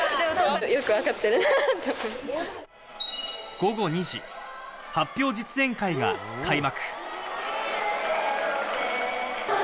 午後２時、発表実演会が開幕。